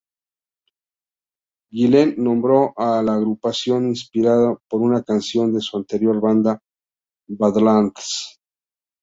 Gillen nombró a la agrupación inspirado en una canción de su anterior banda Badlands.